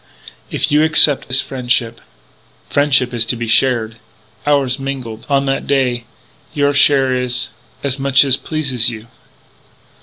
"If you accept his friendship...." "Friendship is to be shared.... Ours mingled on that day.... Your share is as much as pleases you."